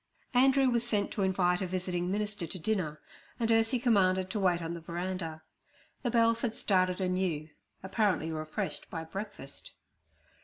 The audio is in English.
Andrew was sent to invite a visiting minister to dinner, and Ursie commanded to wait on the veranda. The bells had started anew, apparently refreshed by breakfast.